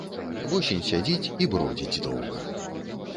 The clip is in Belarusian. Восень сядзіць і бродзіць доўга.